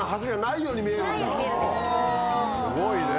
すごいね。